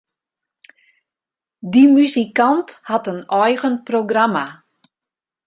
Dy muzikant hat in eigen programma.